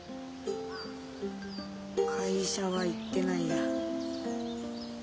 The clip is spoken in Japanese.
会社は行ってないや。